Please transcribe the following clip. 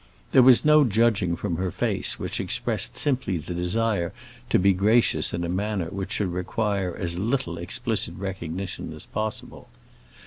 There was no judging from her face, which expressed simply the desire to be gracious in a manner which should require as little explicit recognition as possible.